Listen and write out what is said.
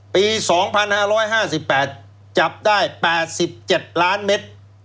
ปี๒๕๕๘จับได้๘๗ล้านเมตร